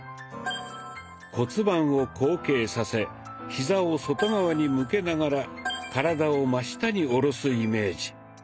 骨盤を後傾させヒザを外側に向けながら体を真下に下ろすイメージ。